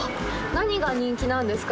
何が人気なんですか？